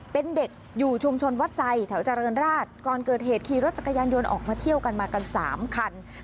เป็นเด็กอยู่ชุมชนวัดไซด์แถวเจริญราชก่อนเกิดเหตุขี่รถจักรยานยนต์ออกมาเที่ยวกันมากันสามคัน